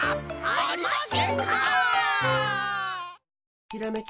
ありませんか！